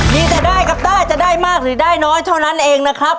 มีแต่ได้กับได้จะได้มากหรือได้น้อยเท่านั้นเองนะครับ